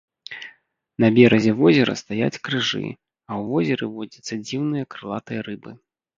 На беразе возера стаяць крыжы, а ў возеры водзяцца дзіўныя крылатыя рыбы.